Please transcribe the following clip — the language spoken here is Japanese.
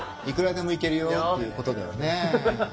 いくらでもいけるよっていうことだよね。